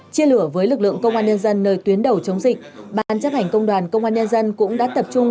chia lửa với lực lượng công an nhân dân nơi tuyến đầu chống dịch ban chấp hành công đoàn công an nhân dân cũng đã tập trung